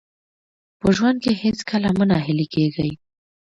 په ژوند کې هېڅکله مه ناهیلي کېږئ.